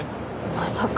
まさか。